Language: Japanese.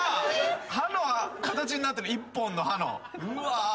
歯の形になってる１本の歯の。